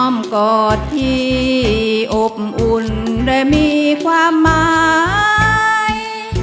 อ้อมกอดที่อบอุ่นได้มีความหมาย